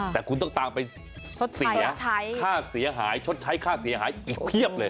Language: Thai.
แต่คุณต้องตามไปเสียค่าเสียหายชดใช้ค่าเสียหายอีกเพียบเลย